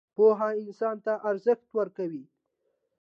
پوهه انسان ته څه ارزښت ورکوي؟